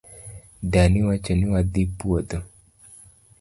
Dani wacho ni wadhi puodho.